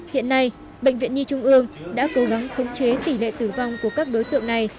hiện nay bệnh viện nhi trung ương đã cố gắng khống chế tỷ lệ tử vong của các đối tượng này